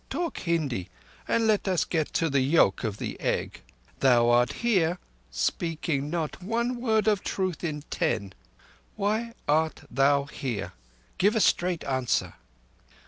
Talk Hindi and let us get to the yolk of the egg. Thou art here—speaking not one word of truth in ten. Why art thou here? Give a straight answer."